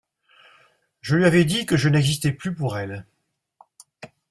Je lui avais dit que je n'existais plus pour elle.